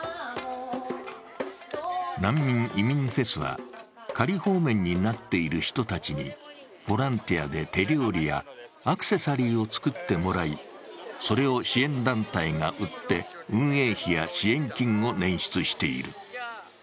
難民・移民フェスは仮放免になっている人たちにボランティアで手料理やアクセサリーを作ってもらい、それを支援団体が売って運営費や支援金を捻出している。